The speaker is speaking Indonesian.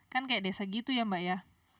kan kayak desa gitu ya mbak ya